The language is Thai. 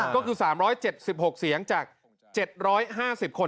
ก็คือ๓๗๖เสียงจาก๗๕๐คน